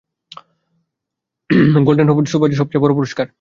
Golden Leopard সুইজারল্যান্ডের Locarno চলচ্চিত্র উৎসবের সবচেয়ে বড় পুরস্কার।